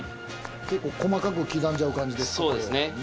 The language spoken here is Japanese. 結構細かく刻んじゃう感じですかそうですね